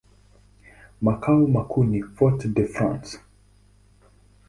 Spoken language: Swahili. Makao makuu ni Fort-de-France.